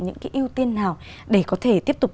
những ưu tiên nào để có thể tiếp tục